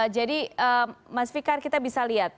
jadi mas fikar kita bisa lihat